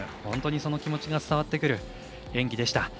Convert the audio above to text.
本当にその気持ちが伝わってくる演技でした。